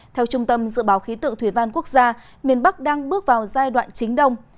theo trung tâm dự báo khí tượng thủy văn quốc gia miền bắc đang bước vào giai đoạn chính đông